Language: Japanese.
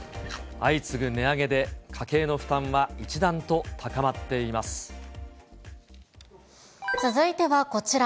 相次ぐ値上げで、家計の負担続いてはこちら。